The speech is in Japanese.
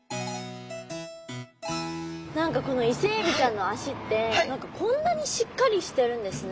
何かこのイセエビちゃんの脚ってこんなにしっかりしてるんですね！